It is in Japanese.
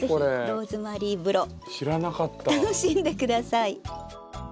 楽しんで下さい。